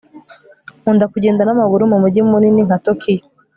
Nkunda kugenda namaguru mu mujyi munini nka Tokiyo